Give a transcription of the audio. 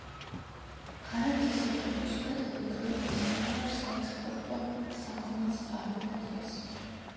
არაქისი და ფოსფატები ქვეყნის მთავარ საექსპორტო საქონელს წარმოადგენს.